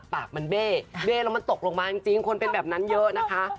ปากมันเบ้เบ้แล้วมันตกลงมาจริงคนเป็นแบบนั้นเยอะนะคะ